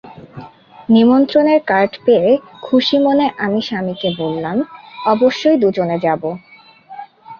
নিমন্ত্রণের card পেয়ে খুশি মনে আমি স্বামীকে বললাম, অবশ্যই দুজনে যাব।